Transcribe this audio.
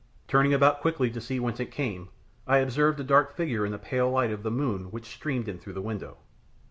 Turning about quickly to see whence it came, I observed a dark figure in the pale light of the moon which streamed in through the window.